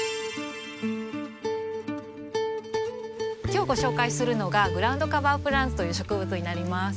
今日ご紹介するのがグラウンドカバープランツという植物になります。